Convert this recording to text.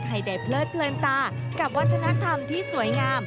ให้ได้เพลิดเพลินตากับวัฒนธรรมที่สวยงาม